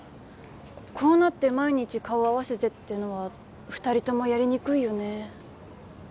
こうなって毎日顔合わせてっていうのは二人ともやりにくいよね